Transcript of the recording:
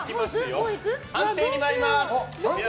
判定に参ります。